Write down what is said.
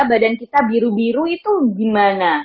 badan kita biru biru itu gimana